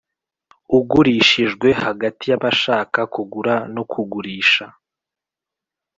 Ugurishijwe hagati y abashaka kugura no kugurisha